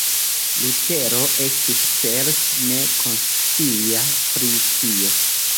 Lutero estis certe ne konscia pri tio.